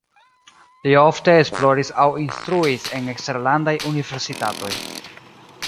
Li ofte esploris aŭ instruis en eksterlandaj universitatoj.